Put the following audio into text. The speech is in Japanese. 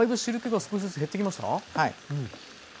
はい。